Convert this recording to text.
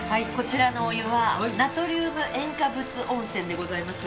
こちらはナトリウム塩化物温泉でございます。